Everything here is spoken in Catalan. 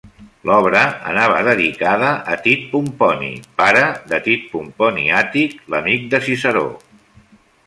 L'obra anava dedicada a Tit Pomponi, pare de Tit Pomponi Àtic, l'amic de Ciceró.